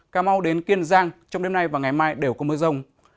cà mau đến kiên giang trong đêm nay và ngày mai đều có mưa rông